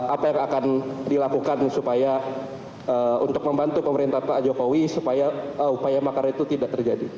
apa yang akan dilakukan supaya untuk membantu pemerintah pak jokowi supaya upaya makar itu tidak terjadi